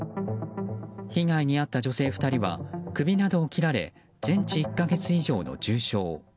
被害に遭った女性２人は首などを切られ全治１か月以上の重傷。